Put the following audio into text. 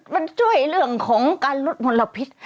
มันช่วยเรื่องของการลดมลพิษ